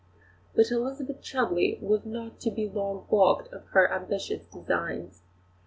But Elizabeth Chudleigh was not to be long baulked in her ambitious designs.